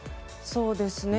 そうですね。